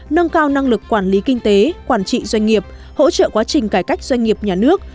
nâng cao năng lực quản lý kinh tế quản trị doanh nghiệp hỗ trợ quá trình cải cách doanh nghiệp nhà nước